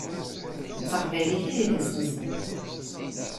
D taqbaylit i d idles-nsen.